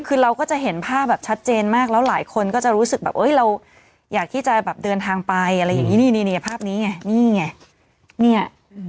คือเราก็จะเห็นภาพแบบชัดเจนมากแล้วหลายคนก็จะรู้สึกแบบเราอยากที่จะแบบเดินทางไปอะไรอย่างนี้นี่ภาพนี้ไงนี่ไงเนี่ย